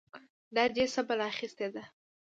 دا دې څه بلا اخيستې ده؟!